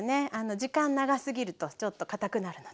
時間長すぎるとちょっとかたくなるので。